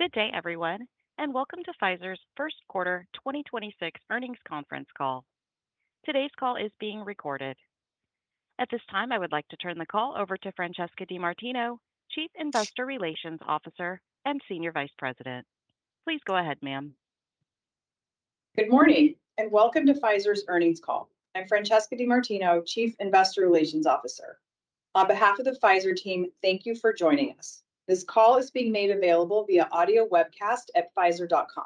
Good day, everyone, and welcome to Pfizer's first quarter 2026 earnings conference call. Today's call is being recorded. At this time, I would like to turn the call over to Francesca DeMartino, Chief Investor Relations Officer and Senior Vice President. Please go ahead, ma'am. Good morning, welcome to Pfizer's earnings call. I'm Francesca DeMartino, Chief Investor Relations Officer. On behalf of the Pfizer team, thank you for joining us. This call is being made available via audio webcast at pfizer.com.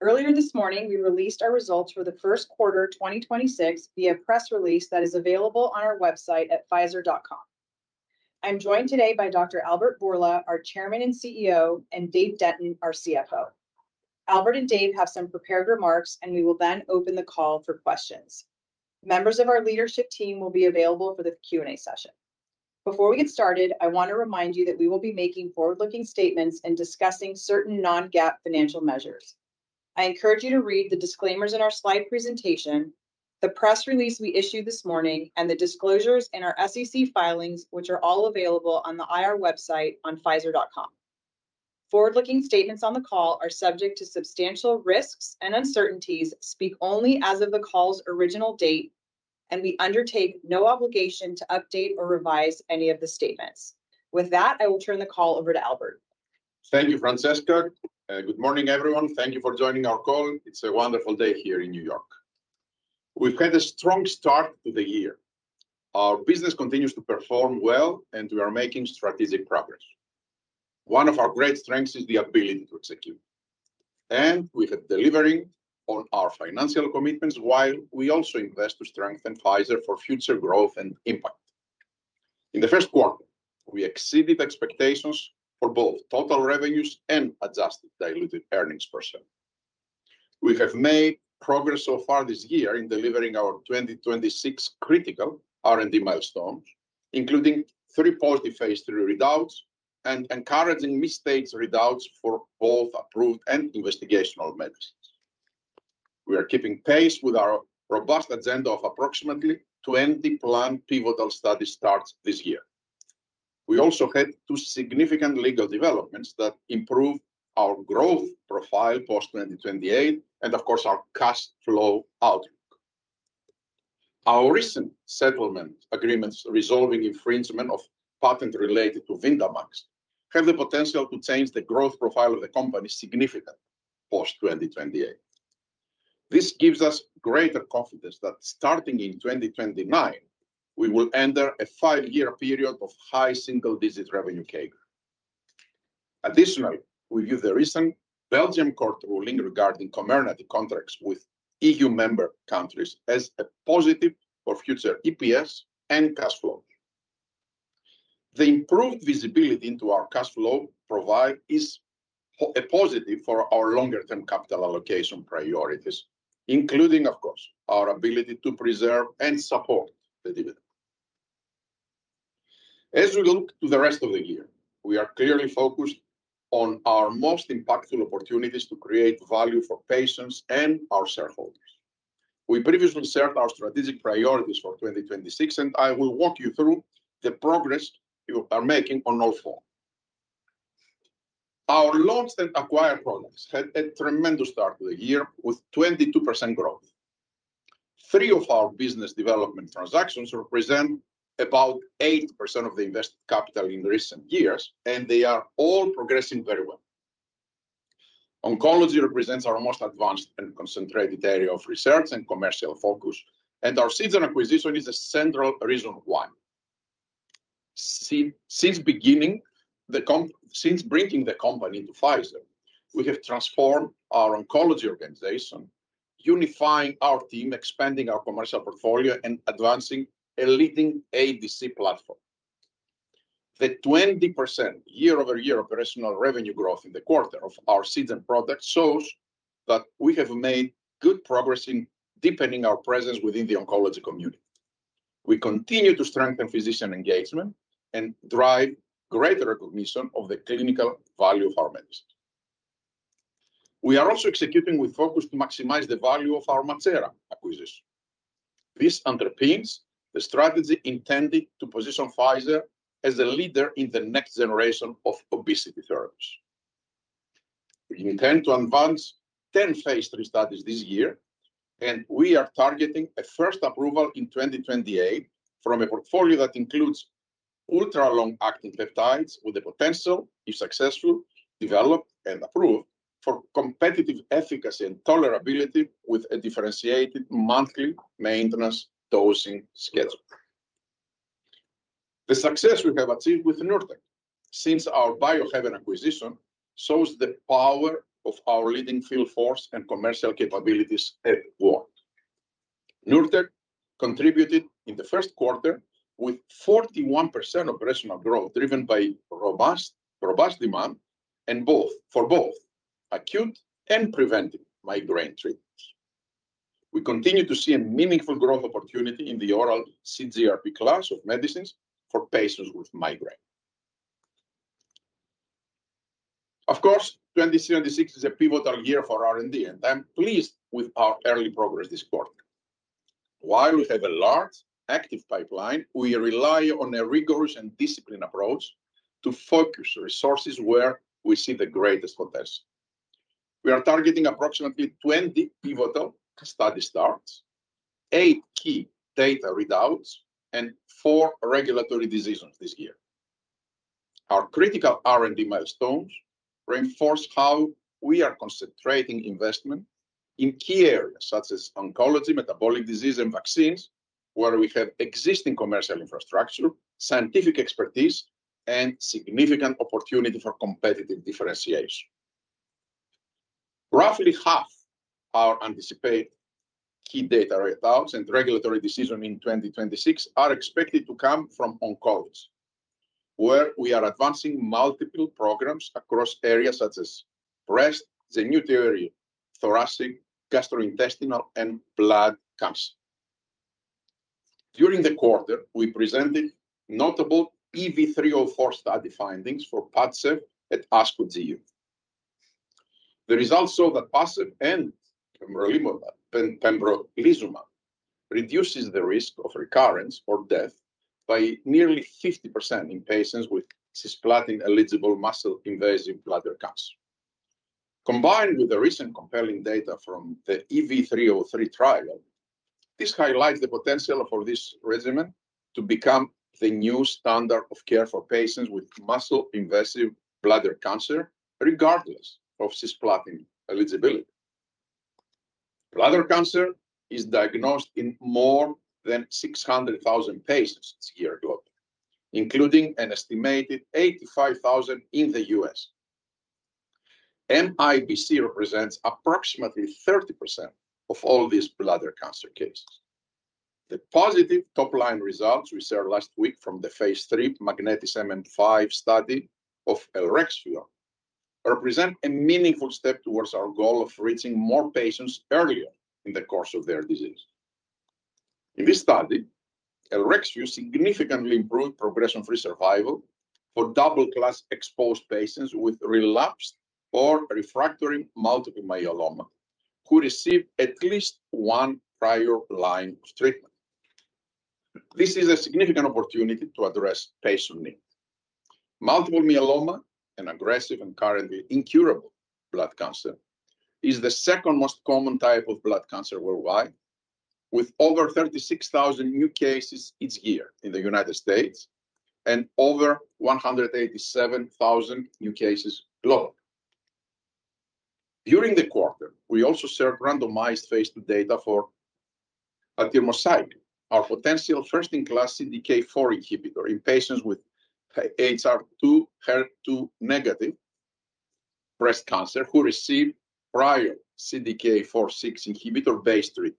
Earlier this morning, we released our results for the first quarter 2026 via press release that is available on our website at pfizer.com. I'm joined today by Dr. Albert Bourla, our Chairman and CEO, and Dave Denton, our CFO. Albert and Dave have some prepared remarks, we will then open the call for questions. Members of our leadership team will be available for the Q&A session. Before we get started, I want to remind you that we will be making forward-looking statements and discussing certain non-GAAP financial measures. I encourage you to read the disclaimers in our slide presentation, the press release we issued this morning, and the disclosures in our SEC filings, which are all available on the IR website on pfizer.com. Forward-looking statements on the call are subject to substantial risks and uncertainties, speak only as of the call's original date, and we undertake no obligation to update or revise any of the statements. With that, I will turn the call over to Albert. Thank you, Francesca. Good morning, everyone. Thank you for joining our call. It's a wonderful day here in New York. We've had a strong start to the year. Our business continues to perform well, and we are making strategic progress. One of our great strengths is the ability to execute, and we are delivering on our financial commitments while we also invest to strengthen Pfizer for future growth and impact. In the first quarter, we exceeded expectations for both total revenues and adjusted diluted earnings per share. We have made progress so far this year in delivering our 2026 critical R&D milestones, including three positive phase III readouts and encouraging mixed data readouts for both approved and investigational medicines. We are keeping pace with our robust agenda of approximately 20 planned pivotal study starts this year. We also had two significant legal developments that improve our growth profile post 2028, and of course, our cash flow outlook. Our recent settlement agreements resolving infringement of patent related to VYNDAMAX have the potential to change the growth profile of the company significant post 2028. This gives us greater confidence that starting in 2029, we will enter a five-year period of high single-digit revenue CAGR. Additionally, we view the recent Belgium court ruling regarding COMIRNATY contracts with EU member countries as a positive for future EPS and cash flow. The improved visibility into our cash flow provide is a positive for our longer-term capital allocation priorities, including, of course, our ability to preserve and support the dividend. As we look to the rest of the year, we are clearly focused on our most impactful opportunities to create value for patients and our shareholders. We previously shared our strategic priorities for 2026, and I will walk you through the progress we are making on all four. Our launched and acquired products had a tremendous start to the year with 22% growth. Three of our business development transactions represent about 8% of the invested capital in recent years, and they are all progressing very well. Oncology represents our most advanced and concentrated area of research and commercial focus, and our Seagen acquisition is a central reason why. Since bringing the company to Pfizer, we have transformed our oncology organization, unifying our team, expanding our commercial portfolio, and advancing a leading ADC platform. The 20% year-over-year operational revenue growth in the quarter of our Seagen products shows that we have made good progress in deepening our presence within the oncology community. We continue to strengthen physician engagement and drive greater recognition of the clinical value of our medicines. We are also executing with focus to maximize the value of our Metsera acquisition. This underpins the strategy intended to position Pfizer as a leader in the next generation of obesity therapies. We intend to advance 10 phase III studies this year. We are targeting a first approval in 2028 from a portfolio that includes ultra-long-acting peptides with the potential, if successful, developed and approved for competitive efficacy and tolerability with a differentiated monthly maintenance dosing schedule. The success we have achieved with NURTEC since our Biohaven acquisition shows the power of our leading field force and commercial capabilities at work. NURTEC contributed in the first quarter with 41% operational growth driven by robust demand for both acute and preventive migraine treatments. We continue to see a meaningful growth opportunity in the oral CGRP class of medicines for patients with migraine. Of course, 2026 is a pivotal year for R&D, and I'm pleased with our early progress this quarter. While we have a large active pipeline, we rely on a rigorous and disciplined approach to focus resources where we see the greatest potential. We are targeting approximately 20 pivotal study starts, eight key data readouts, and four regulatory decisions this year. Our critical R&D milestones reinforce how we are concentrating investment in key areas such as oncology, metabolic disease, and vaccines, where we have existing commercial infrastructure, scientific expertise, and significant opportunity for competitive differentiation. Roughly half our anticipated key data readouts and regulatory decision in 2026 are expected to come from oncology, where we are advancing multiple programs across areas such as breast, genitourinary, thoracic, gastrointestinal, and blood cancer. During the quarter, we presented notable EV-304 study findings for PADCEV at ASCO GU. The results show that PADCEV and pembrolizumab reduces the risk of recurrence or death by nearly 50% in patients with cisplatin-eligible muscle-invasive bladder cancer. Combined with the recent compelling data from the EV-303 trial, this highlights the potential for this regimen to become the new standard of care for patients with muscle-invasive bladder cancer, regardless of cisplatin eligibility. Bladder cancer is diagnosed in more than 600,000 patients each year globally, including an estimated 85,000 in the U.S. MIBC represents approximately 30% of all these bladder cancer cases. The positive top-line results we saw last week from the phase III MagnetisMM-5 study of ELREXFIO present a meaningful step towards our goal of reaching more patients earlier in the course of their disease. In this study, ELREXFIO significantly improved progression-free survival for double class-exposed patients with relapsed or refractory multiple myeloma who received at least one prior line of treatment. This is a significant opportunity to address patient need. Multiple myeloma, an aggressive and currently incurable blood cancer, is the second most common type of blood cancer worldwide, with over 36,000 new cases each year in the U.S. and over 187,000 new cases globally. During the quarter, we also saw randomized phase II data for atirmociclib, our potential first-in-class CDK4 inhibitor in patients with HR+/HER2- breast cancer who received prior CDK4/6 inhibitor-based treatment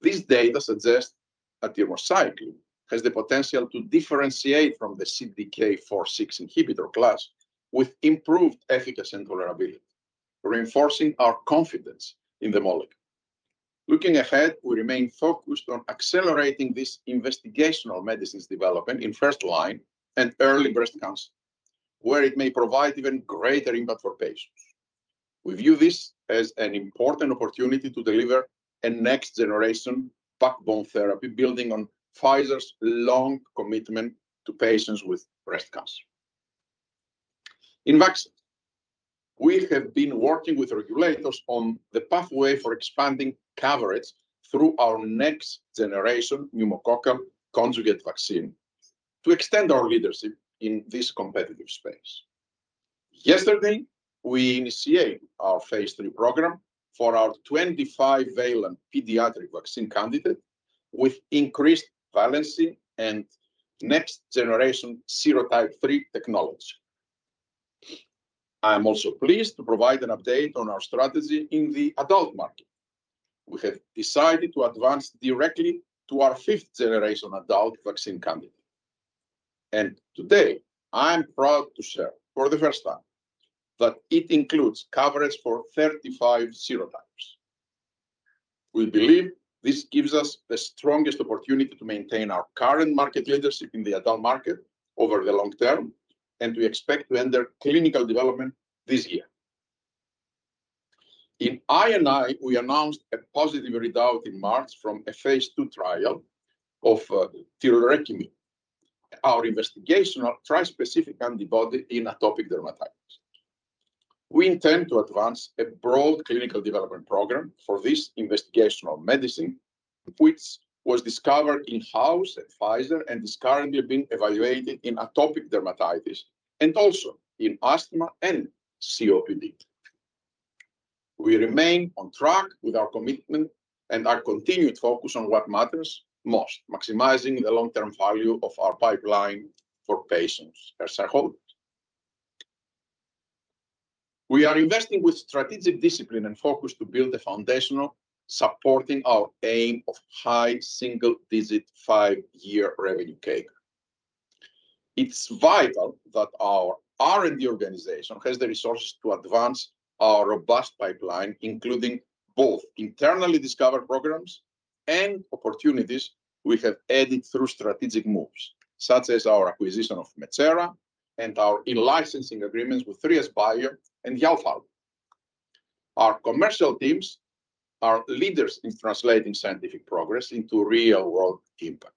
This data suggests atirmociclib has the potential to differentiate from the CDK4/6 inhibitor class with improved efficacy and tolerability, reinforcing our confidence in the molecule. Looking ahead, we remain focused on accelerating this investigational medicine's development in first-line and early breast cancer, where it may provide even greater impact for patients. We view this as an important opportunity to deliver a next-generation backbone therapy building on Pfizer's long commitment to patients with breast cancer. In vaccines, we have been working with regulators on the pathway for expanding coverage through our next-generation pneumococcal conjugate vaccine to extend our leadership in this competitive space. Yesterday, we initiated our phase III program for our 25-valent pediatric vaccine candidate with increased valency and next-generation serotype 3 technology. I am also pleased to provide an update on our strategy in the adult market. We have decided to advance directly to our fifth-generation adult vaccine candidate. Today, I am proud to share for the first time that it includes coverage for 35 serotypes. We believe this gives us the strongest opportunity to maintain our current market leadership in the adult market over the long term, and we expect to enter clinical development this year. In I&I, we announced a positive readout in March from a phase II trial of tilrekimig, our investigational trispecific antibody in atopic dermatitis. We intend to advance a broad clinical development program for this investigational medicine, which was discovered in-house at Pfizer and is currently being evaluated in atopic dermatitis and also in asthma and COPD. We remain on track with our commitment and our continued focus on what matters most, maximizing the long-term value of our pipeline for patients as a whole. We are investing with strategic discipline and focus to build the foundational supporting our aim of high single-digit five-year revenue CAGR. It's vital that our R&D organization has the resources to advance our robust pipeline, including both internally discovered programs and opportunities we have added through strategic moves, such as our acquisition of Metsera and our in-licensing agreements with 3SBio and YaoPharma. Our commercial teams are leaders in translating scientific progress into real-world impact.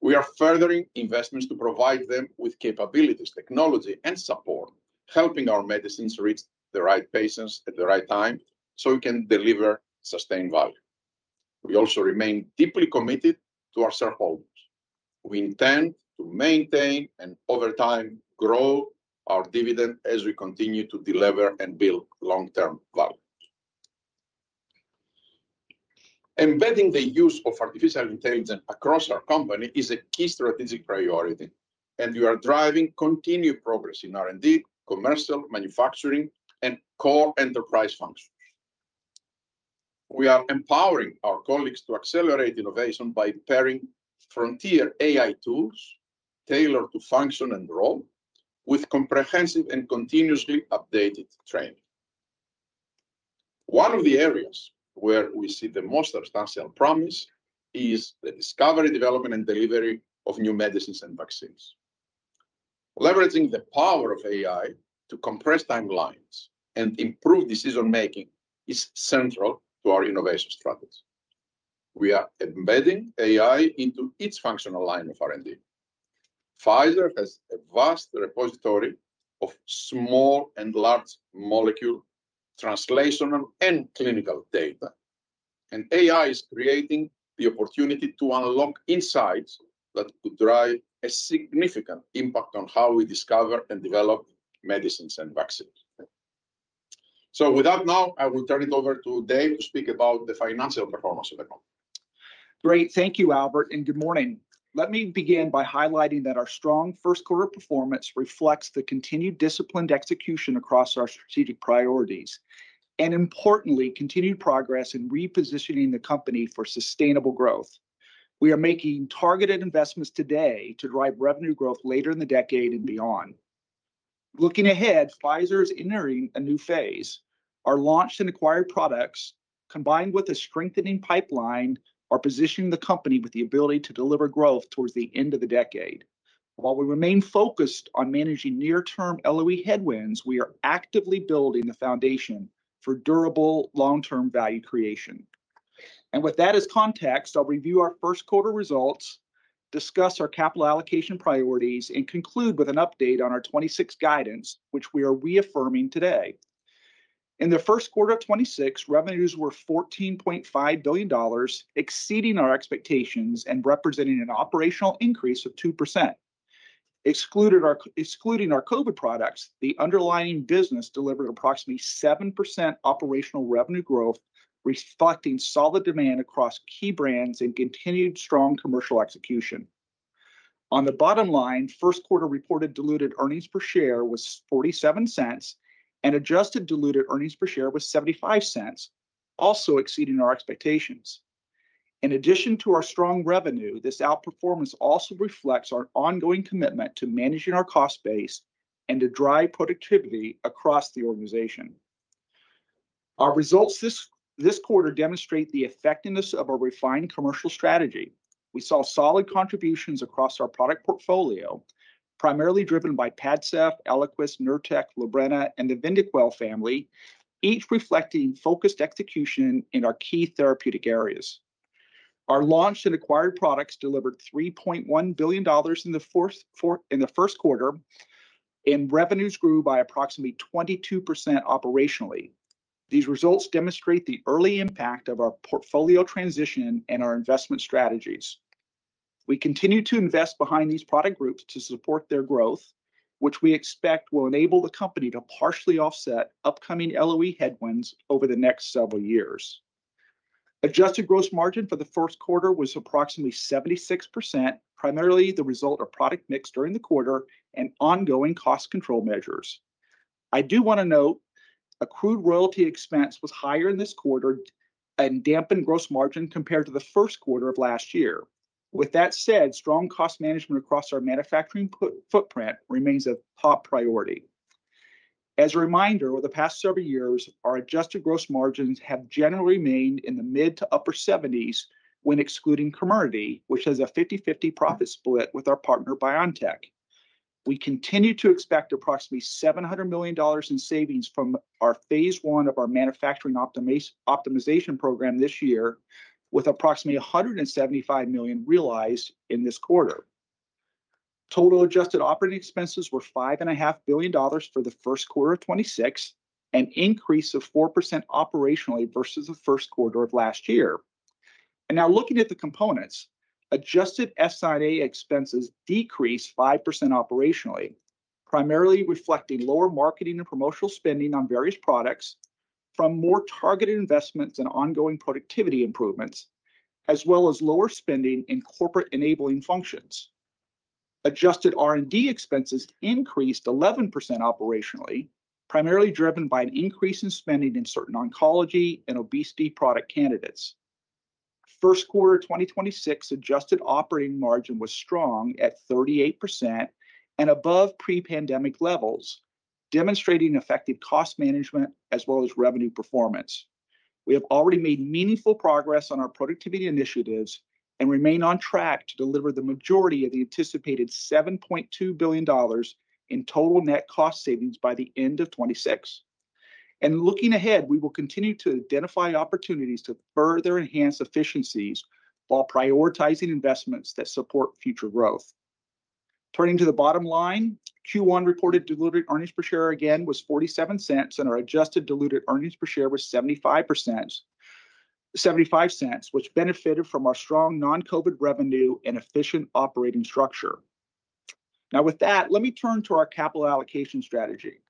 We are furthering investments to provide them with capabilities, technology, and support, helping our medicines reach the right patients at the right time, so we can deliver sustained value. We also remain deeply committed to our shareholders. We intend to maintain and, over time, grow our dividend as we continue to deliver and build long-term value. Embedding the use of artificial intelligence across our company is a key strategic priority, and we are driving continued progress in R&D, commercial, manufacturing, and core enterprise functions. We are empowering our colleagues to accelerate innovation by pairing frontier AI tools tailored to function and role with comprehensive and continuously updated training. One of the areas where we see the most substantial promise is the discovery, development, and delivery of new medicines and vaccines. Leveraging the power of AI to compress timelines and improve decision-making is central to our innovation strategies. We are embedding AI into each functional line of R&D. Pfizer has a vast repository of small and large molecule translational and clinical data, and AI is creating the opportunity to unlock insights that could drive a significant impact on how we discover and develop medicines and vaccines. With that, now I will turn it over to Dave to speak about the financial performance of the company. Great. Thank you, Albert. Good morning. Let me begin by highlighting that our strong first-quarter performance reflects the continued disciplined execution across our strategic priorities and, importantly, continued progress in repositioning the company for sustainable growth. We are making targeted investments today to drive revenue growth later in the decade and beyond. Looking ahead, Pfizer is entering a new phase. Our launched and acquired products, combined with a strengthening pipeline, are positioning the company with the ability to deliver growth towards the end of the decade. While we remain focused on managing near-term LOE headwinds, we are actively building the foundation for durable long-term value creation. With that as context, I'll review our first quarter results, discuss our capital allocation priorities, and conclude with an update on our 2026 guidance, which we are reaffirming today. In the first quarter of 2026, revenues were $14.5 billion, exceeding our expectations and representing an operational increase of 2%. Excluding our COVID products, the underlying business delivered approximately 7% operational revenue growth, reflecting solid demand across key brands and continued strong commercial execution. On the bottom line, first quarter reported diluted earnings per share was $0.47, and adjusted diluted earnings per share was $0.75, also exceeding our expectations. In addition to our strong revenue, this outperformance also reflects our ongoing commitment to managing our cost base and to drive productivity across the organization. Our results this quarter demonstrate the effectiveness of our refined commercial strategy. We saw solid contributions across our product portfolio, primarily driven by PADCEV, ELIQUIS, NURTEC, LORBRENA, and the VYNDAQEL family, each reflecting focused execution in our key therapeutic areas. Our launched and acquired products delivered $3.1 billion in the first quarter, and revenues grew by approximately 22% operationally. These results demonstrate the early impact of our portfolio transition and our investment strategies. We continue to invest behind these product groups to support their growth, which we expect will enable the company to partially offset upcoming LOE headwinds over the next several years. Adjusted gross margin for the first quarter was approximately 76%, primarily the result of product mix during the quarter and ongoing cost control measures. I do wanna note, accrued royalty expense was higher in this quarter and dampened gross margin compared to the first quarter of last year. With that said, strong cost management across our manufacturing footprint remains a top priority. As a reminder, over the past several years, our adjusted gross margins have generally remained in the mid to upper seventies when excluding COMIRNATY, which has a 50/50 profit split with our partner BioNTech. We continue to expect approximately $700 million in savings from our phase I of our manufacturing optimization program this year, with approximately $175 million realized in this quarter. Total adjusted operating expenses were $5.5 billion for the first quarter of 2026, an increase of 4% operationally versus the first quarter of last year. Now looking at the components, adjusted SI&A expenses decreased 5% operationally, primarily reflecting lower marketing and promotional spending on various products from more targeted investments and ongoing productivity improvements, as well as lower spending in corporate enabling functions. Adjusted R&D expenses increased 11% operationally, primarily driven by an increase in spending in certain oncology and obesity product candidates. First quarter of 2026 adjusted operating margin was strong at 38% and above pre-pandemic levels, demonstrating effective cost management as well as revenue performance. We have already made meaningful progress on our productivity initiatives and remain on track to deliver the majority of the anticipated $7.2 billion in total net cost savings by the end of 2026. Looking ahead, we will continue to identify opportunities to further enhance efficiencies while prioritizing investments that support future growth. Turning to the bottom line, Q1 reported diluted earnings per share again was $0.47, and our adjusted diluted earnings per share was $0.75, which benefited from our strong non-COVID revenue and efficient operating structure. With that, let me turn to our capital allocation strategy.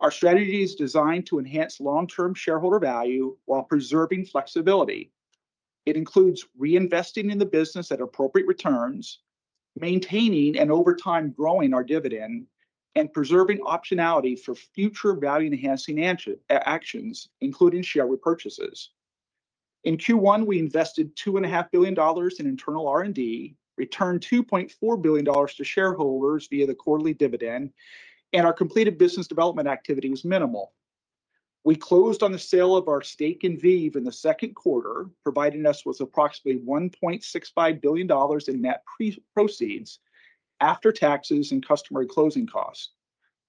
Our strategy is designed to enhance long-term shareholder value while preserving flexibility. It includes reinvesting in the business at appropriate returns, maintaining and over time growing our dividend, and preserving optionality for future value-enhancing actions, including share repurchases. In Q1, we invested $2.5 billion in internal R&D, returned $2.4 billion to shareholders via the quarterly dividend, and our completed business development activity was minimal. We closed on the sale of our stake in ViiV in the second quarter, providing us with approximately $1.65 billion in net proceeds after taxes and customary closing costs.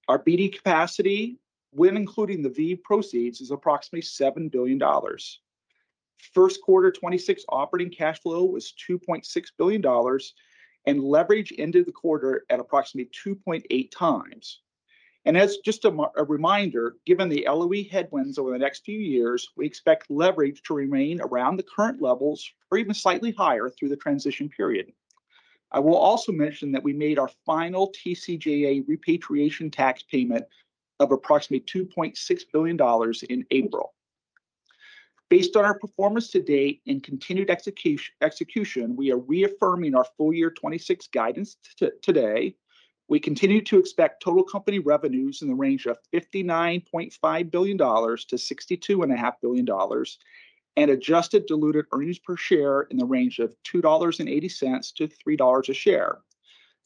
Our BD capacity, when including the ViiV proceeds, is approximately $7 billion. First quarter 2026 operating cash flow was $2.6 billion, and leverage ended the quarter at approximately 2.8x. As just a reminder, given the LOE headwinds over the next few years, we expect leverage to remain around the current levels or even slightly higher through the transition period. I will also mention that we made our final TCJA repatriation tax payment of approximately $2.6 billion in April. Based on our performance to date and continued execution, we are reaffirming our full-year 2026 guidance today. We continue to expect total company revenues in the range of $59.5 billion-$62.5 billion and adjusted diluted earnings per share in the range of $2.80-$3.00 a share.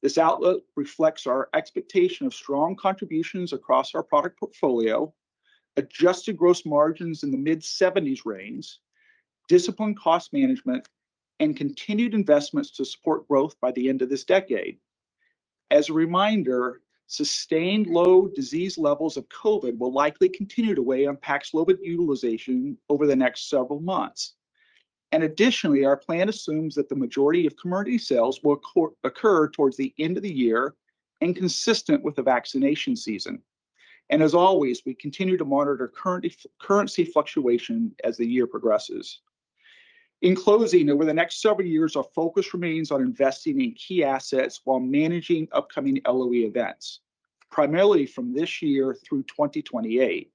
This outlook reflects our expectation of strong contributions across our product portfolio, adjusted gross margins in the mid-70s range, disciplined cost management, and continued investments to support growth by the end of this decade. As a reminder, sustained low disease levels of COVID will likely continue to weigh on PAXLOVID utilization over the next several months. Additionally, our plan assumes that the majority of COMIRNATY sales will occur towards the end of the year and consistent with the vaccination season. As always, we continue to monitor current currency fluctuation as the year progresses. In closing, over the next several years, our focus remains on investing in key assets while managing upcoming LOE events, primarily from this year through 2028.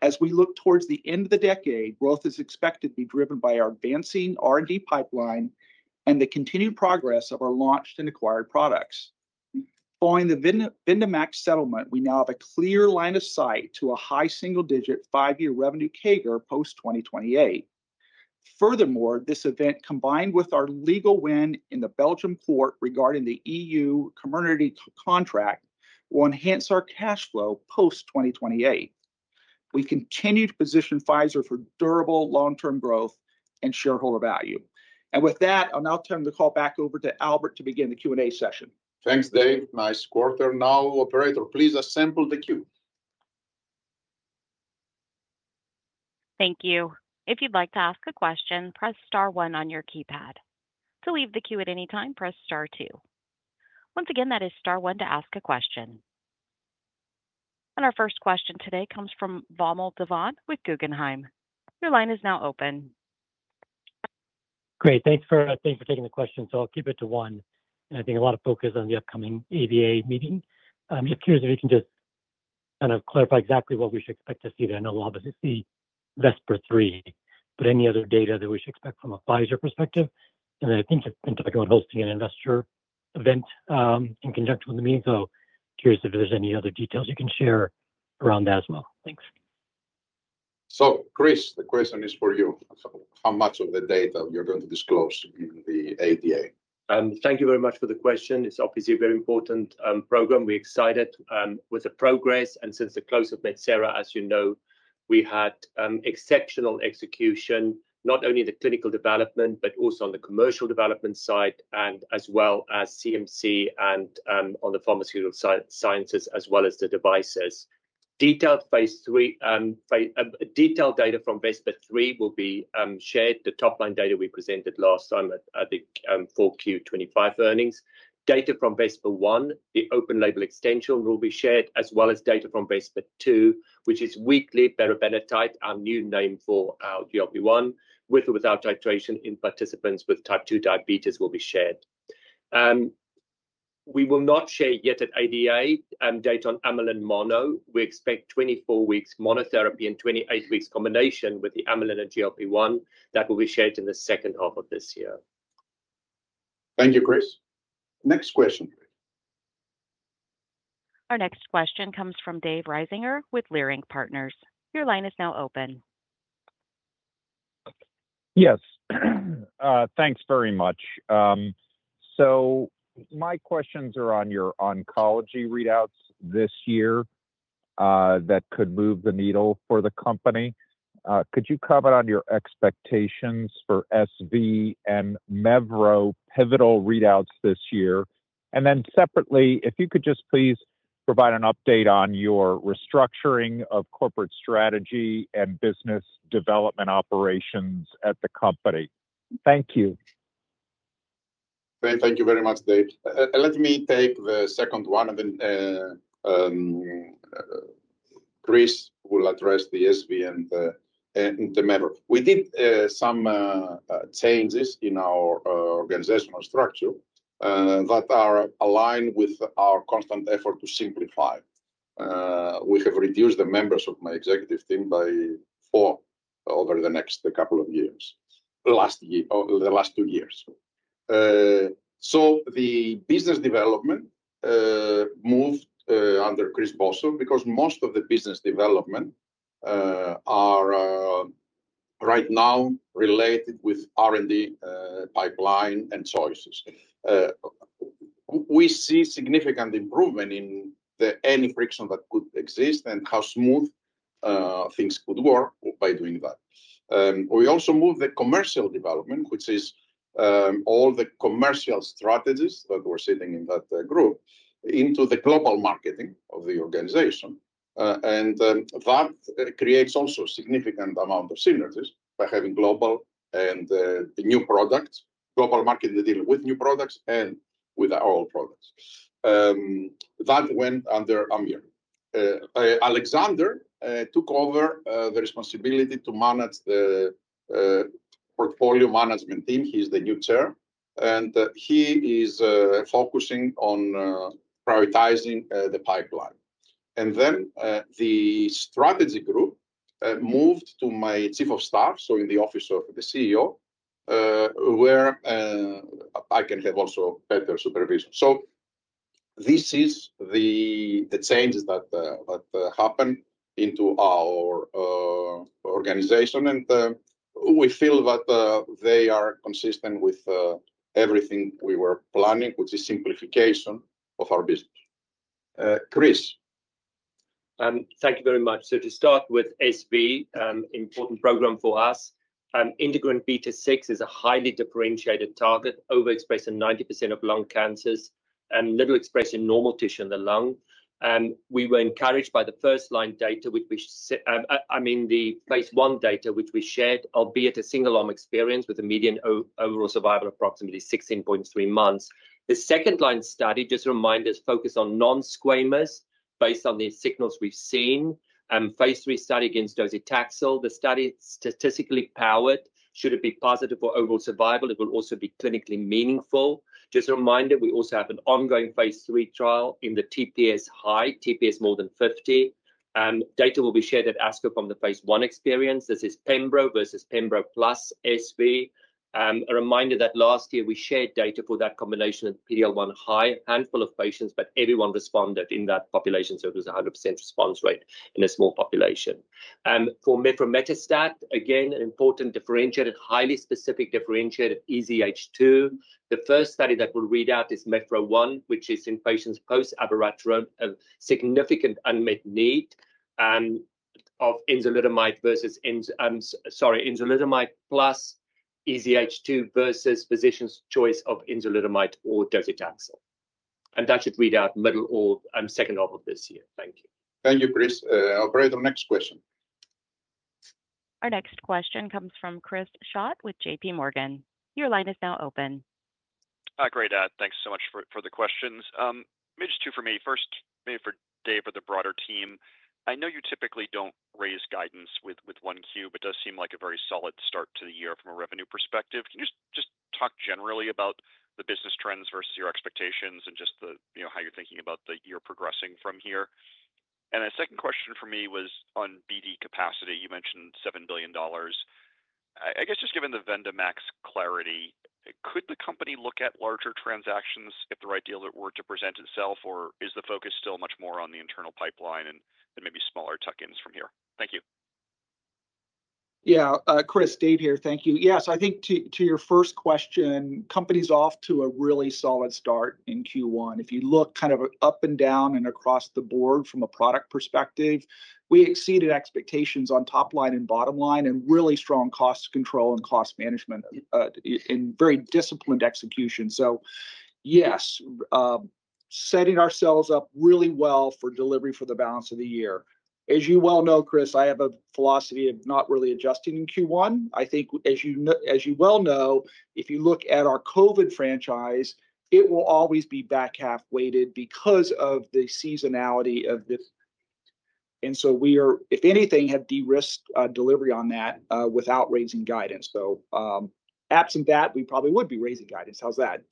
As we look towards the end of the decade, growth is expected to be driven by our advancing R&D pipeline and the continued progress of our launched and acquired products. Following the VYNDAMAX settlement, we now have a clear line of sight to a high single-digit five-year revenue CAGR post 2028. Furthermore, this event, combined with our legal win in the Belgium court regarding the EU COMIRNATY contract, will enhance our cash flow post 2028. We continue to position Pfizer for durable long-term growth and shareholder value. With that, I'll now turn the call back over to Albert to begin the Q&A session. Thanks, Dave. Nice quarter. Now, operator, please assemble the queue. Thank you. Our first question today comes from Vamil Divan with Guggenheim. Your line is now open. Great. Thanks for taking the question, so I'll keep it to one. I think a lot of focus on the upcoming ADA meeting. I'm just curious if you can just kind of clarify exactly what we should expect to see there. I know a lot of us will see VESPER-3, but any other data that we should expect from a Pfizer perspective? I think you're going to be hosting an investor event in conjunction with the meeting, so curious if there's any other details you can share around that as well. Thanks. Chris, the question is for you. How much of the data you're going to disclose in the ADA? Thank you very much for the question. It's obviously a very important program. We're excited with the progress. Since the close of Metsera, as you know, we had exceptional execution, not only the clinical development, but also on the commercial development, side and as well as CMC and on the pharmaceutical sciences, as well as the devices. Detailed phase III data from VESPER-3 will be shared. The top-line data we presented last time at I think, full Q 25 earnings. Data from VESPER-1, the open-label extension, will be shared, as well as data from VESPER-2, which is weekly berobenatide, our new name for GLP-1, with or without titration in participants with type 2 diabetes will be shared. We will not share yet at ADA data on amylin mono. We expect 24 weeks monotherapy and 28 weeks combination with the amylin and GLP-1. That will be shared in the second half of this year. Thank you, Chris. Next question. Our next question comes from Dave Risinger with Leerink Partners. Your line is now open. Yes. Thanks very much. My questions are on your oncology readouts this year, that could move the needle for the company. Could you comment on your expectations for SV and mevro pivotal readouts this year? Separately, if you could just please provide an update on your restructuring of corporate strategy and business development operations at the company? Thank you. Thank you very much, Dave. Let me take the second one, and then Chris will address the SV and the mevro. We did some changes in our organizational structure that are aligned with our constant effort to simplify. We have reduced the members of my executive team by four over the next couple of years. Last year, or the last two years. The business development moved under Chris Boshoff because most of the business development are right now related with R&D pipeline and choices. We see significant improvement in the any friction that could exist and how smooth things could work by doing that. We also moved the commercial development, which is all the commercial strategies that were sitting in that group, into the global marketing of the organization. That creates also significant amount of synergies by having global and the new product. Global market, they deal with new products and with our old products. That went under Aamir. Alexandre took over the responsibility to manage the portfolio management team. He's the new chair. He is focusing on prioritizing the pipeline. The strategy group moved to my chief of staff, so in the office of the CEO, where I can have also better supervision. This is the changes that happen into our organization. We feel that they are consistent with everything we were planning, which is simplification of our business. Chris. Thank you very much. To start with SV, important program for us. Integrin beta-6 is a highly differentiated target, overexpressed in 90% of lung cancers and little expression normal tissue in the lung. We were encouraged by the first-line data, which we, I mean the phase I data, which we shared, albeit a single arm experience with a median overall survival approximately 16.3 months. The second line study, just a reminder, is focused on non-squamous, based on the signals we've seen. Phase III study against docetaxel. The study statistically powered should it be positive for overall survival, it will also be clinically meaningful. Just a reminder, we also have an ongoing phase III trial in the TPS high, TPS more than 50. Data will be shared at ASCO from the phase I experience. This is pembro versus pembro plus SV. A reminder that last year we shared data for that combination of PD-L1 high. Handful of patients, everyone responded in that population, so it was a 100% response rate in a small population. For mevrometostat, again, an important differentiated, highly specific differentiated EZH2. The first study that we'll read out is MEVPRO-1, which is in patients post-abiraterone of significant unmet need, of enzalutamide versus enzalutamide plus EZH2 versus physician's choice of enzalutamide or docetaxel. That should read out middle or second half of this year. Thank you. Thank you, Chris. Operator, next question. Our next question comes from Chris Schott with JPMorgan. Your line is now open. Great, thanks so much for the questions. Maybe just two for me. First, maybe for Dave or the broader team. I know you typically don't raise guidance with 1Q, but does seem like a very solid start to the year from a revenue perspective. Can you just talk generally about the business trends versus your expectations and just the, you know, how you're thinking about the year progressing from here? A second question for me was on BD capacity. You mentioned $7 billion. I guess, just given the VYNDAMAX clarity, could the company look at larger transactions if the right deal were to present itself, or is the focus still much more on the internal pipeline and then maybe smaller tuck-ins from here? Thank you. Chris, Dave here. Thank you. I think to your first question, company's off to a really solid start in Q1. If you look kind of up and down and across the board from a product perspective, we exceeded expectations on top line and bottom line and really strong cost control and cost management in very disciplined execution. Yes, setting ourselves up really well for delivery for the balance of the year. As you well know, Chris, I have a philosophy of not really adjusting in Q1. I think, as you well know, if you look at our COVID franchise, it will always be back half weighted because of the seasonality of this. We are, if anything, have de-risked delivery on that without raising guidance. Absent that, we probably would be raising guidance. How's that?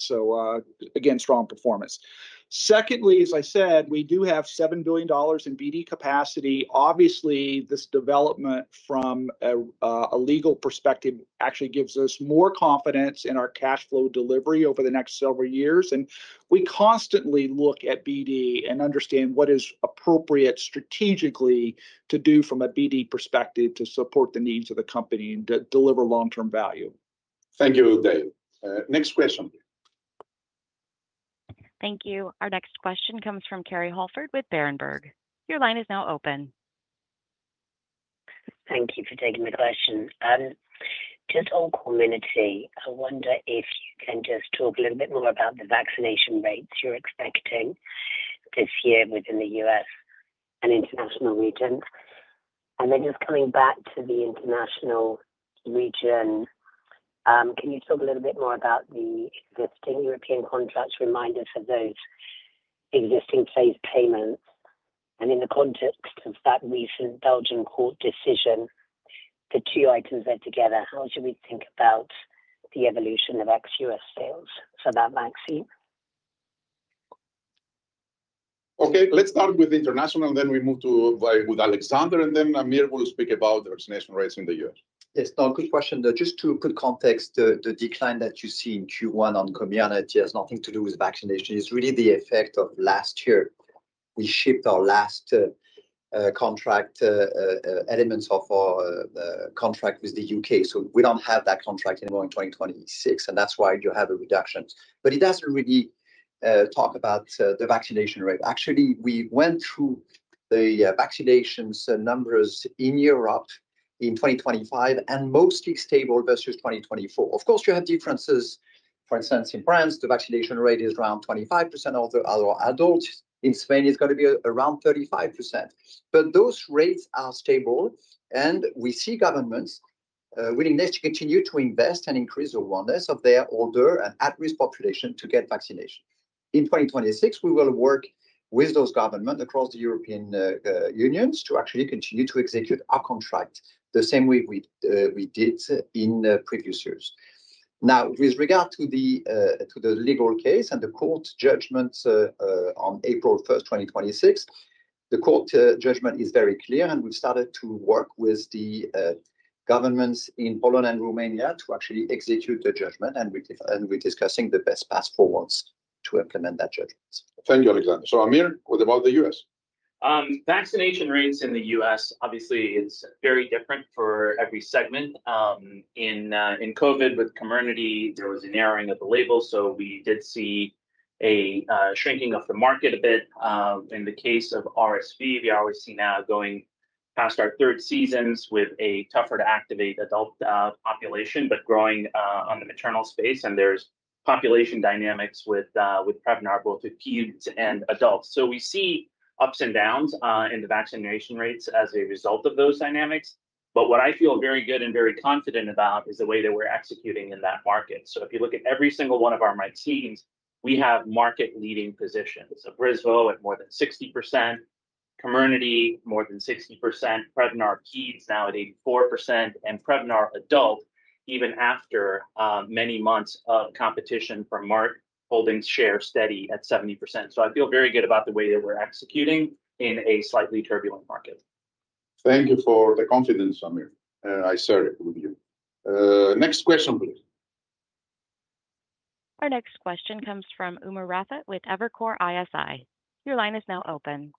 Again, strong performance. Secondly, as I said, we do have $7 billion in BD capacity. Obviously, this development from a legal perspective actually gives us more confidence in our cash flow delivery over the next several years, and we constantly look at BD and understand what is appropriate strategically to do from a BD perspective to support the needs of the company and deliver long-term value. Thank you, Dave. Next question. Thank you. Our next question comes from Kerry Holford with Berenberg. Your line is now open. Thank you for taking my question. Just on COMIRNATY, I wonder if you can just talk a little bit more about the vaccination rates you're expecting this year within the U.S. and international regions. Then, just coming back to the international region, can you talk a little bit more about the existing European contracts, reminders for those existing phase payments? In the context of that recent Belgian court decision, the two items read together, how should we think about the evolution of ex-U.S. sales for that vaccine? Okay, let's start with international, and then we move with Alexandre, and then Aamir will speak about the vaccination rates in the U.S. Yes. No, good question, though. Just to put context, the decline that you see in Q1 on COMIRNATY has nothing to do with vaccination. It's really the effect of last year. We shipped our last contract elements of our contract with the U.K.; we don't have that contract anymore in 2026, that's why you have a reduction. It doesn't really talk about the vaccination rate. Actually, we went through the vaccinations, the numbers in Europe in 2025, mostly stable versus 2024. Of course, you have differences. For instance, in France, the vaccination rate is around 25% of the adults. In Spain, it's gonna be around 35%. Those rates are stable, and we see governments' willingness to continue to invest and increase awareness of their older and at-risk population to get vaccination. In 2026, we will work with those government across the European Union to actually continue to execute our contract, the same way we did in previous years. Now, with regard to the legal case and the court judgment on April 1, 2026, the court judgment is very clear, and we've started to work with the governments in Poland and Romania to actually execute the judgment, and we're discussing the best path forwards to implement that judgment. Thank you, Alexandre. Aamir, what about the U.S.? Vaccination rates in the U.S. obviously is very different for every segment. In COVID, with COMIRNATY, there was a narrowing of the label, so we did see a shrinking of the market a bit. In the case of RSV, we obviously now going past our third seasons with a tougher to activate adult population, but growing on the maternal space, and there's population dynamics with Prevnar, both with kids and adults. We see ups and downs in the vaccination rates as a result of those dynamics. What I feel very good and very confident about is the way that we're executing in that market. If you look at every single one of our MITs, we have market-leading positions. at more than 60%, COMIRNATY more than 60%, Prevnar kids now at 84%, and Prevnar adult, even after many months of competition from market, holding share steady at 70%. I feel very good about the way that we're executing in a slightly turbulent market. Thank you for the confidence, Aamir. I share it with you. Next question, please. Our next question comes from Umer Raffat with Evercore ISI. Your line is now open.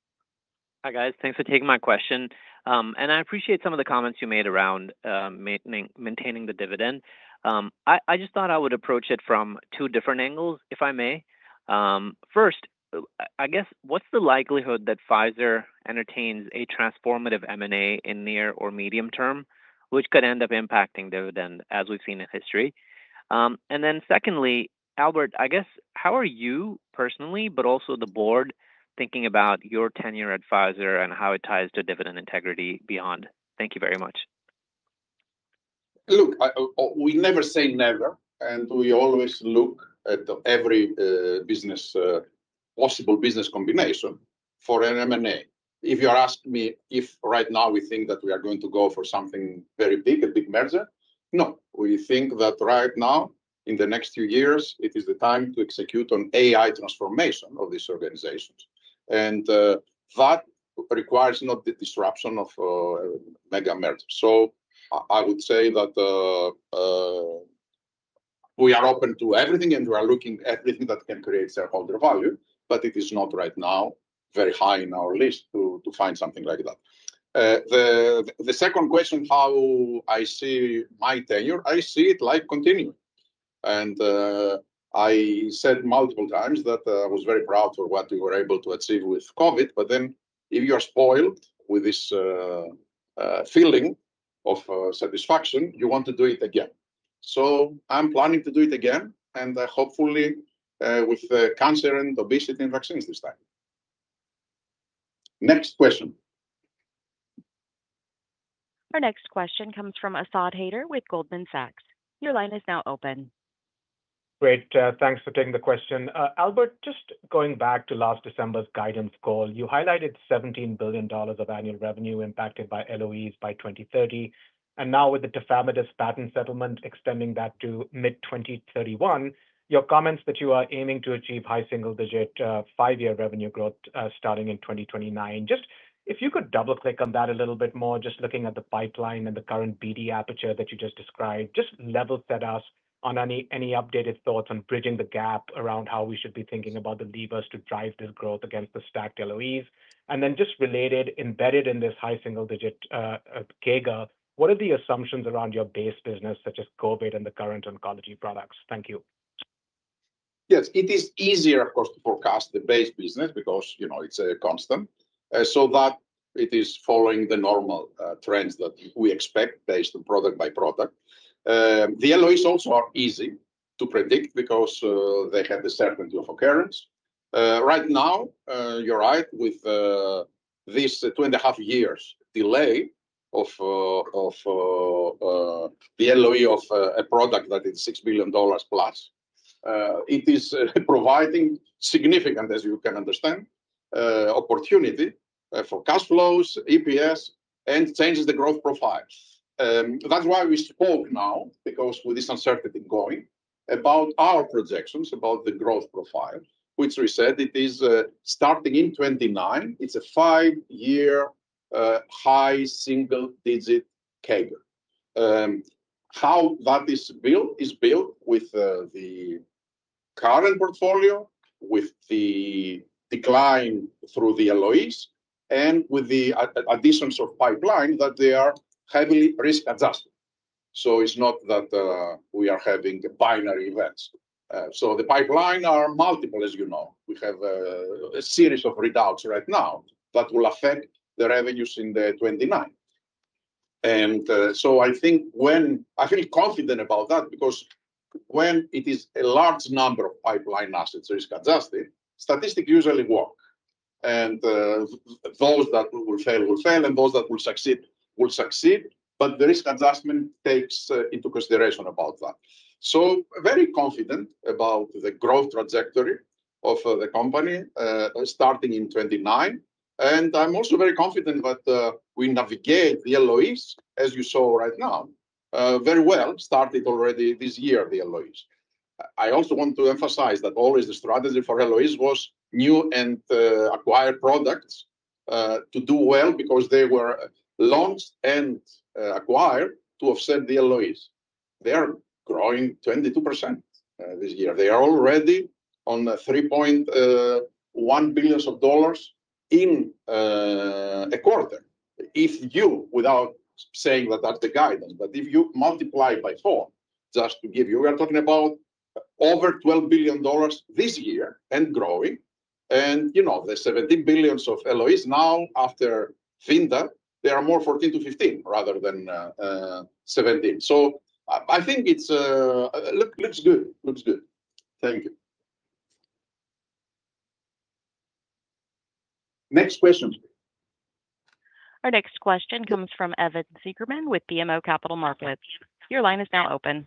Hi, guys. Thanks for taking my question. I appreciate some of the comments you made around maintaining the dividend. I just thought I would approach it from two different angles, if I may. First, what's the likelihood that Pfizer entertains a transformative M&A in near or medium term, which could end up impacting dividend as we've seen in history? Secondly, Albert, how are you personally, but also the board, thinking about your tenure at Pfizer and how it ties to dividend integrity beyond? Thank you very much. Look, I, we never say never, and we always look at every business, possible business combination for an M&A. If you are asking me if right now we think that we are going to go for something very big, a big merger, no. We think that right now, in the next two years, it is the time to execute on AI transformation of these organizations. That requires not the disruption of a mega merger. I would say that we are open to everything, and we are looking at everything that can create shareholder value, but it is not right now very high in our list to find something like that. The second question, how I see my tenure, I see it like continuing. I said multiple times that I was very proud for what we were able to achieve with COVID, but then if you are spoiled with this feeling of satisfaction, you want to do it again. I'm planning to do it again, and hopefully with cancer and obesity and vaccines this time. Next question. Our next question comes from Asad Haider with Goldman Sachs. Your line is now open. Great. Thanks for taking the question. Albert, just going back to last December's guidance call, you highlighted $17 billion of annual revenue impacted by LOEs by 2030, and now with the tafamidis patent settlement extending that to mid-2031, your comments that you are aiming to achieve high single-digit, five-year revenue growth, starting in 2029. Just if you could double-click on that a little bit more, just looking at the pipeline and the current BD aperture that you just described, just level set us on any updated thoughts on bridging the gap around how we should be thinking about the levers to drive this growth against the stacked LOEs. Just related, embedded in this high single-digit CAGR, what are the assumptions around your base business, such as COVID and the current oncology products? Thank you. Yes, it is easier, of course, to forecast the base business because, you know, it's a constant. That it is following the normal trends that we expect based on product by product. The LOEs also are easy to predict because they have the certainty of occurrence. Right now, you're right, with this 2.5 years delay of the LOE of a product that is $6 billion+, it is providing significant, as you can understand, opportunity for cash flows, EPS, and changes the growth profile. That's why we spoke now, because with this uncertainty going, about our projections about the growth profile, which we said it is starting in 2029. It's a five-year high single-digit CAGR. How that is built, is built with the current portfolio, with the decline through the LOEs, and with the additions of pipeline that they are heavily risk-adjusted. It's not that we are having binary events. The pipeline are multiple, as you know. We have a series of readouts right now that will affect the revenues in 2029. I think when I feel confident about that, because when it is a large number of pipeline assets risk-adjusted, statistic usually work. Those that will fail, will fail, and those that will succeed, will succeed, but the risk adjustment takes into consideration about that. Very confident about the growth trajectory of the company, starting in 2029, and I'm also very confident that we navigate the LOEs, as you saw right now, very well. Started already this year, the LOEs. I also want to emphasize that always the strategy for LOEs was new and acquired products to do well because they were launched and acquired to offset the LOEs. They are growing 22% this year. They are already on $3.1 billion in a quarter. If you, without saying that that's the guidance, but if you multiply by four, just to give you, we are talking about over $12 billion this year and growing, and you know, the $17 billion of LOEs now after VYNDA, they are more $14 billion-$15 billion rather than $17 billion. I think it's looks good. Looks good. Thank you. Next question. Our next question comes from Evan Seigerman with BMO Capital Markets. Your line is now open.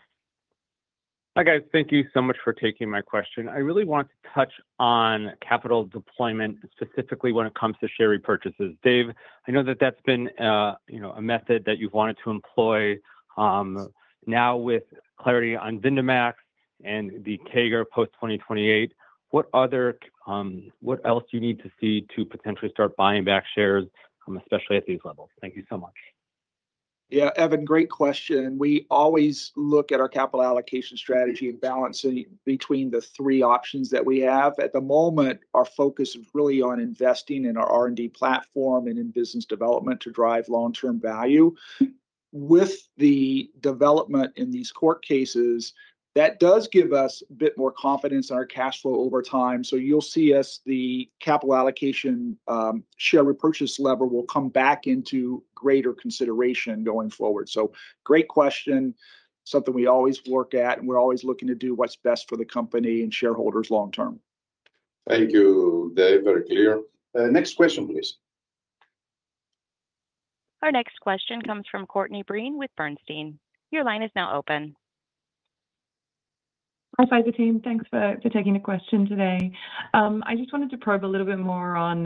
Hi, guys. Thank you so much for taking my question. I really want to touch on capital deployment, specifically when it comes to share repurchases. Dave, I know that that's been, you know, a method that you've wanted to employ. Now with clarity on VYNDAMAX and the CAGR post-2028, what other, what else do you need to see to potentially start buying back shares, especially at these levels? Thank you so much. Yeah, Evan, great question. We always look at our capital allocation strategy and balancing between the three options that we have. At the moment, our focus is really on investing in our R&D platform and in business development to drive long-term value. With the development in these court cases, that does give us a bit more confidence in our cash flow over time. You'll see as the capital allocation, share repurchase lever will come back into greater consideration going forward. Great question, something we always work at, and we're always looking to do what's best for the company and shareholders long term. Thank you, Dave. Very clear. Next question, please. Our next question comes from Courtney Breen with Bernstein. Your line is now open. Hi, Pfizer team. Thanks for taking the question today. I just wanted to probe a little bit more on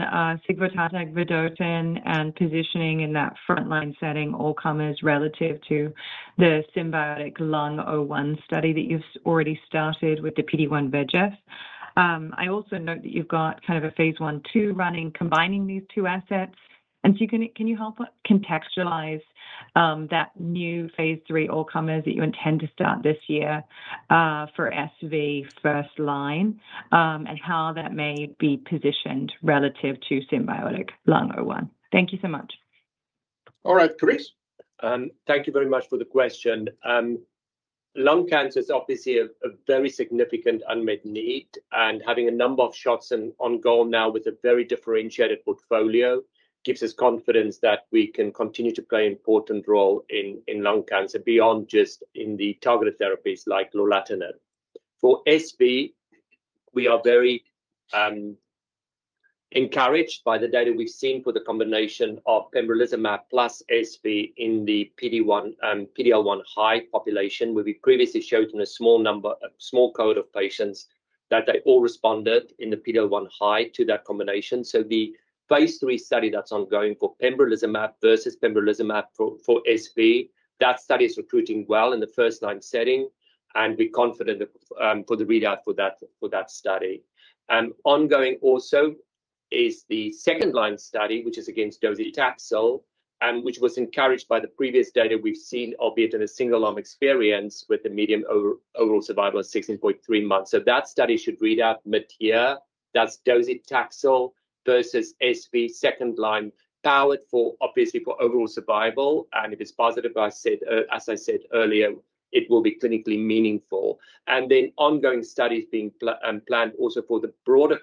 sigvotatug vedotin and positioning in that frontline setting, allcomers relative to the Symbiotic-Lung-01 study that you've already started with the PD-1/VEGF. I also note that you've got kind of a phase I/II running, combining these two assets. Can you help contextualize that new phase III allcomers that you intend to start this year for SV first line, and how that may be positioned relative to Symbiotic-Lung-01? Thank you so much. All right, Chris. Thank you very much for the question. Lung cancer is obviously a very significant unmet need, and having a number of shots on goal now with a very differentiated portfolio gives us confidence that we can continue to play important role in lung cancer beyond just in the targeted therapies like lorlatinib. For SV, we are very encouraged by the data we've seen for the combination of pembrolizumab plus PADCEV in the PD-1, PD-L1 high population, where we previously showed in a small cohort of patients that they all responded in the PD-L1 high to that combination. The phase III study that's ongoing for pembrolizumab versus pembrolizumab for SV, that study is recruiting well in the first-line setting, and we're confident for the readout for that study. Ongoing also is the second-line study, which is against docetaxel. Which was encouraged by the previous data we've seen, albeit in a single-arm experience, with a median overall survival of 16.3 months. That study should read out mid-year. That's docetaxel versus SV second line, powered for, obviously for overall survival. If it's positive, I said, as I said earlier, it will be clinically meaningful. Ongoing studies being planned also for the broader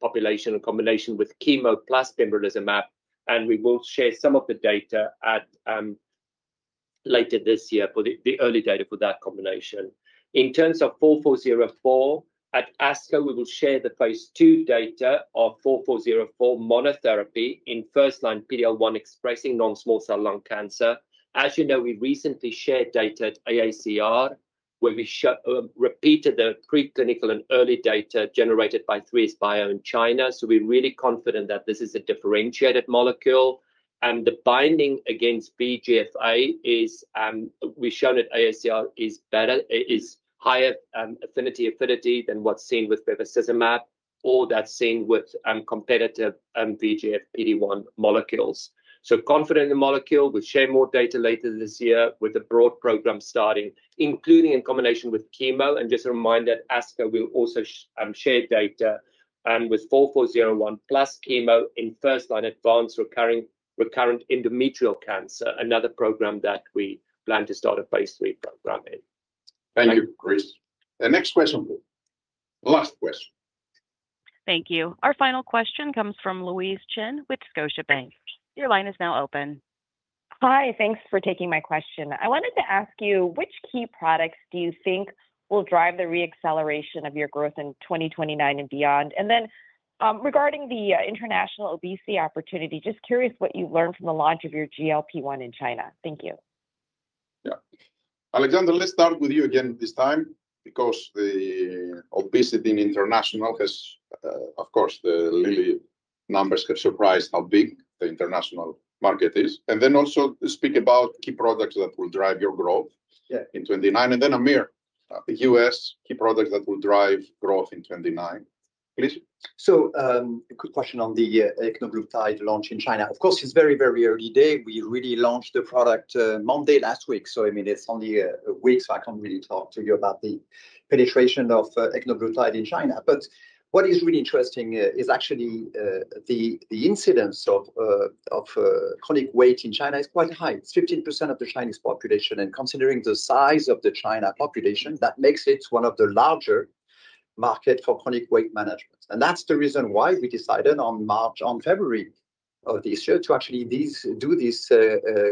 population in combination with chemo plus pembrolizumab, and we will share some of the data later this year for the early data for that combination. In terms of 4404, at ASCO we will share the phase II data of 4404 monotherapy in first-line PD-L1 expressing non-small cell lung cancer. As you know, we recently shared data at AACR, where we repeated the preclinical and early data generated by 3SBio in China. We're really confident that this is a differentiated molecule. The binding against VEGF is, we've shown at AACR, is better; it is higher affinity than what's seen with bevacizumab, or that's seen with competitive VEGF, PD-1 molecules. Confident in the molecule. We'll share more data later this year with a broad program starting, including in combination with chemo. Just a reminder, ASCO will also share data with 4401 plus chemo in first-line advanced recurrent endometrial cancer, another program that we plan to start a phase III program in. Thank you, Chris. The next question. The last question. Thank you. Our final question comes from Louise Chen with Scotiabank. Your line is now open. Hi, thanks for taking my question. I wanted to ask you which key products do you think will drive the re-acceleration of your growth in 2029 and beyond? Regarding the international obesity opportunity, just curious what you learned from the launch of your GLP-1 in China. Thank you. Yeah. Alexandre, let's start with you again this time because the obesity in international has, of course, the Lilly numbers have surprised how big the international market is. Also, speak about key products that will drive your growth. Yeah in 2029. Aamir, U.S. key products that will drive growth in 2029. A good question on the ecnoglutide launch in China. Of course, it's very, very early day. We really launched the product Monday last week, so I mean, it's only a week, so I can't really talk to you about the penetration of ecnoglutide in China. What is really interesting here is actually the incidence of chronic weight in China is quite high. It's 15% of the Chinese population, and considering the size of the China population, that makes it one of the larger market for chronic weight management. That's the reason why we decided on February of this year to actually do this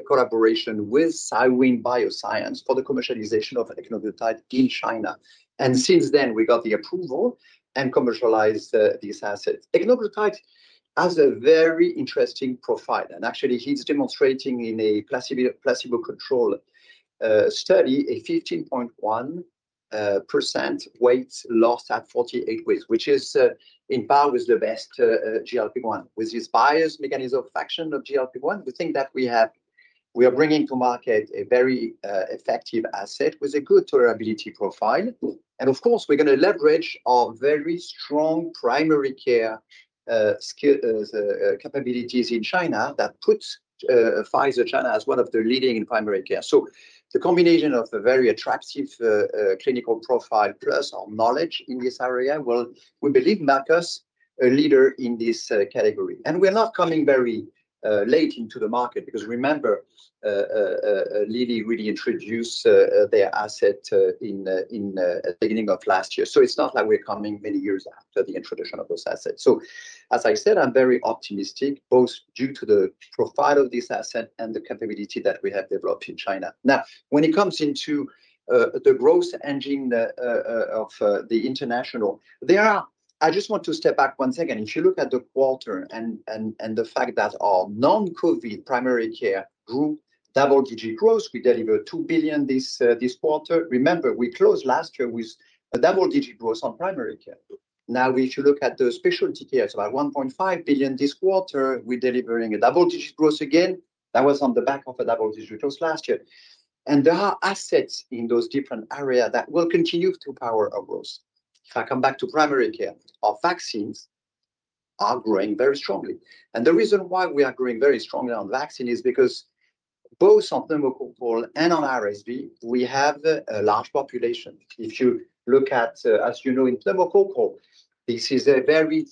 collaboration with Sciwind Biosciences for the commercialization of ecnoglutide in China. Since then, we got the approval and commercialized this asset. Ecnoglutide has a very interesting profile, and actually, it's demonstrating in a placebo-controlled study a 15.1% weight loss at 48 weeks, which is on par with the best GLP-1. With this dual mechanism of action of GLP-1, we think that we are bringing to market a very effective asset with a good tolerability profile. Of course, we're gonna leverage our very strong primary care skills and capabilities in China that puts Pfizer China as one of the leaders in primary care. The combination of a very attractive clinical profile plus our knowledge in this area will, we believe, make us a leader in this category. We're not coming very late into the market because remember, Lilly really introduced their asset in at the beginning of last year. It's not like we're coming many years after the introduction of those assets. As I said, I'm very optimistic, both due to the profile of this asset and the capability that we have developed in China. When it comes into the growth engine of the international, I just want to step back one second. If you look at the quarter and the fact that our non-COVID primary care grew double-digit growth, we delivered $2 billion this quarter. Remember, we closed last year with a double-digit growth on primary care. If you look at the specialty care, it's about $1.5 billion this quarter. We're delivering a double-digit growth again. That was on the back of a double-digit growth last year. There are assets in those different areas that will continue to power our growth. If I come back to primary care, our vaccines are growing very strongly. The reason why we are growing very strongly on vaccines is because both on pneumococcal and on RSV, we have a large population. If you look at, as you know, in pneumococcal, this is a very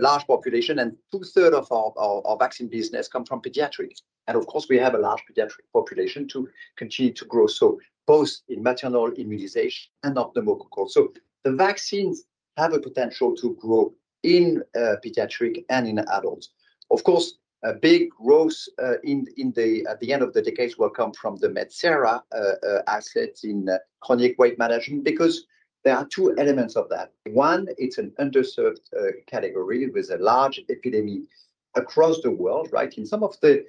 large population, and two-thirds of our vaccine business come from pediatric. Of course, we have a large pediatric population to continue to grow, so both in maternal immunization and of pneumococcal. The vaccines have a potential to grow in pediatric and in adults. Of course, a big growth in the, at the end of the decades will come from the Metsera asset in chronic weight management because there are two elements of that. One. It's an underserved category with a large epidemic across the world, right? In some of the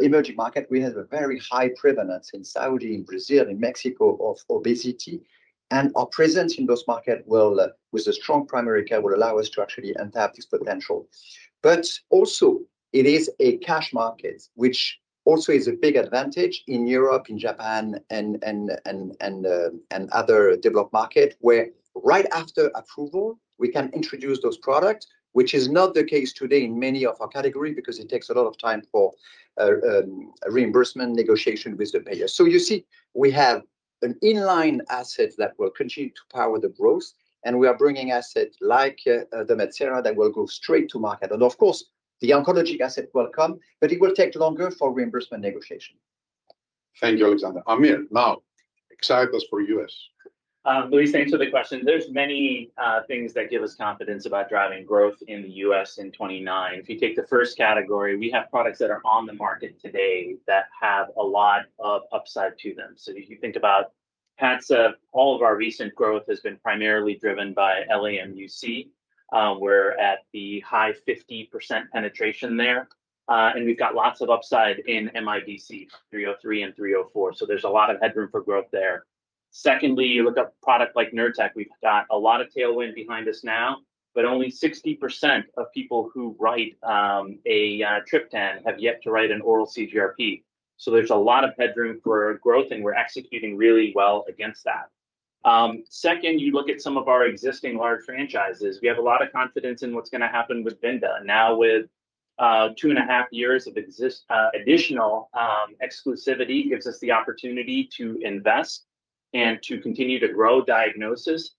emerging market, we have a very high prevalence in Saudi, in Brazil, in Mexico of obesity. Our presence in those market will, with a strong primary care, will allow us to actually unpack this potential. Also, it is a cash market, which also is a big advantage in Europe, in Japan and other developed market where right after approval we can introduce those product, which is not the case today in many of our category because it takes a lot of time for reimbursement negotiation with the payer. You see, we have an inline asset that will continue to power the growth, and we are bringing assets like the PADCEV that will go straight to market. Of course, the oncology asset will come, but it will take longer for reimbursement negotiation. Thank you, Alexandre. Aamir, now excite us for U.S. Louise, to answer the question, there's many things that give us confidence about driving growth in the U.S. in 2029. If you take the first category, we have products that are on the market today that have a lot of upside to them. If you think about PADCEV, all of our recent growth has been primarily driven by la/mUC. We're at the high 50% penetration there. We've got lots of upside in MIBC 303 and 304. There's a lot of headroom for growth there. Secondly, you look at a product like NURTEC, we've got a lot of tailwind behind us now, only 60% of people who write a triptan have yet to write an oral CGRP. There's a lot of headroom for growth, and we're executing really well against that. Second, you look at some of our existing large franchises. We have a lot of confidence in what's going to happen with VYNDA. Now, with 2.5 years of additional exclusivity, gives us the opportunity to invest and to continue to grow diagnosis.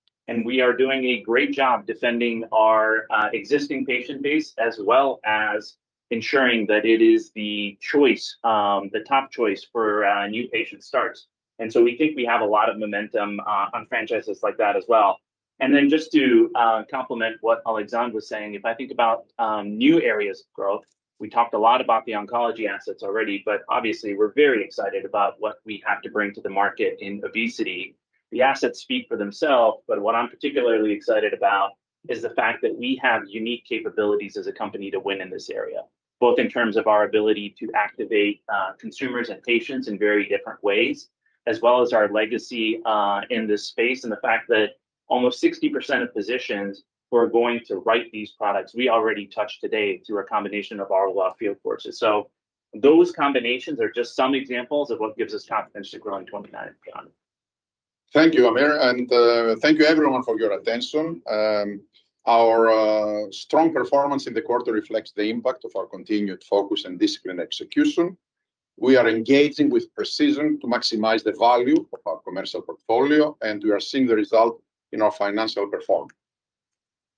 We are doing a great job defending our existing patient base as well as ensuring that it is the choice, the top choice for new patient starts. We think we have a lot of momentum on franchises like that as well. Just to complement what Alexandre was saying, if I think about new areas of growth, we talked a lot about the oncology assets already. Obviously, we're very excited about what we have to bring to the market in obesity. The assets speak for themselves, but what I'm particularly excited about is the fact that we have unique capabilities as a company to win in this area, both in terms of our ability to activate consumers and patients in very different ways, as well as our legacy in this space and the fact that almost 60% of physicians who are going to write these products, we already touched today through a combination of our field forces. Those combinations are just some examples of what gives us confidence to grow in 2029 and beyond. Thank you, Aamir, and thank you, everyone, for your attention. Our strong performance in the quarter reflects the impact of our continued focus and discipline execution. We are engaging with precision to maximize the value of our commercial portfolio, and we are seeing the result in our financial performance.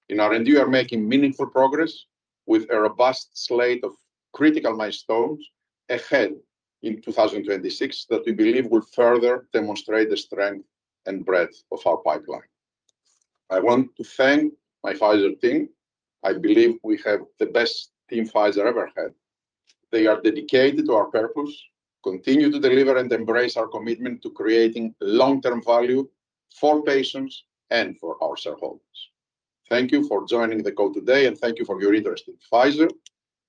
In R&D, we are making meaningful progress with a robust slate of critical milestones ahead in 2026 that we believe will further demonstrate the strength and breadth of our pipeline. I want to thank my Pfizer team. I believe we have the best team Pfizer ever had. They are dedicated to our purpose, continue to deliver and embrace our commitment to creating long-term value for patients and for our shareholders. Thank you for joining the call today, and thank you for your interest in Pfizer.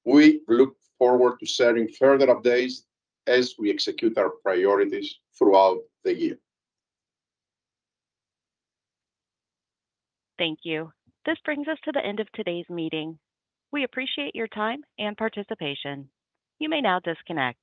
We look forward to sharing further updates as we execute our priorities throughout the year. Thank you. This brings us to the end of today's meeting. We appreciate your time and participation. You may now disconnect.